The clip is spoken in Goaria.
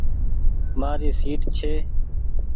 مآري سيٽ ڇي۔